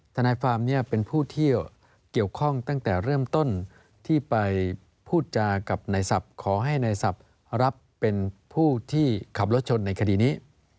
ทนายฟาร์มเนี่ยเป็นผู้ที่เกี่ยวข้องตั้งแต่เริ่มต้นที่ไปพูดจากับในศัพท์ขอให้นายศัพท์รับเป็นผู้ที่ขับรถชนในคดีนี้